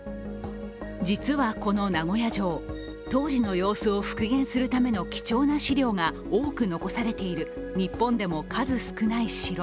実はこの名古屋城、当時の様子を復元するための貴重な資料が多く残されている日本でも数少ない城。